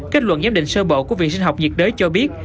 kết luận giám định sơ bộ của viện sinh học nhiệt đới cho biết